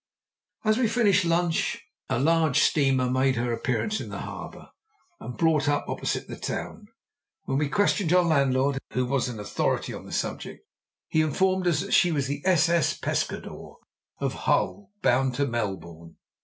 As we finished lunch a large steamer made her appearance in the harbour, and brought up opposite the town. When we questioned our landlord, who was an authority on the subject, he informed us that she was the s.s. Pescadore, of Hull, bound to Melbourne.